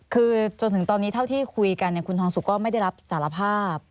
คือจนถึงตอนนี้เท่าที่คุยกันคุณทองสุกก็ไม่ได้รับสารภาพ